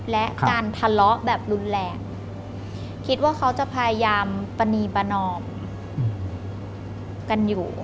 และการทะเลาะแบบรุนแรงคิดว่าเขาจะพยายามปรณีประนอมกันอยู่